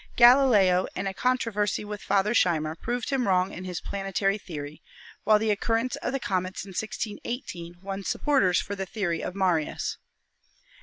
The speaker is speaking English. Galileo in a controversy with Father Scheiner proved him wrong in his planetary theory, while the occurrence of comets in 1618 won supporters for the theory of Marius.